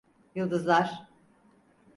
Yıldızlar…